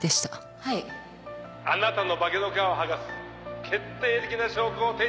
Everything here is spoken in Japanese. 「あなたの化けの皮を剥がす決定的な証拠を手に入れました」